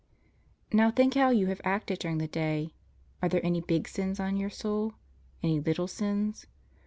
Now think how you have acted during the day. Are there any big sins on your soul? Any little sins?